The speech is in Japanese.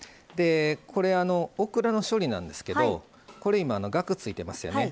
これ、オクラの処理なんですけど今、ガクついてますよね。